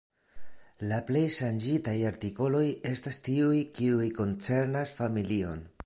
La plej ŝanĝitaj artikoloj estas tiuj, kiuj koncernas familion.